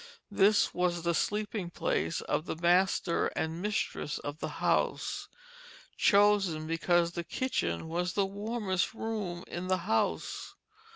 This was the sleeping place of the master and mistress of the house, chosen because the kitchen was the warmest room in the house.